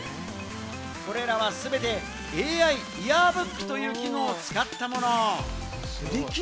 これらは全てＡＩイヤーブックという機能を使ったもの。